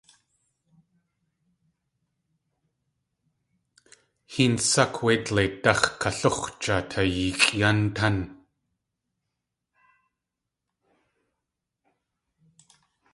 Héen sákw wé dleitdáx̲ kalóox̲jaa tayeexʼ yan tán!